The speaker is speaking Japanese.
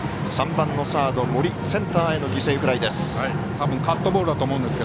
３番のサード森センターへの犠牲フライです。